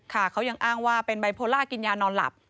เขายังอ้างว่าเป็นไบโพล่ากินยานอนหลับ